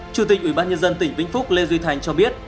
chủ tịch ủy ban nhân dân tỉnh vĩnh phúc lê duy thành cho biết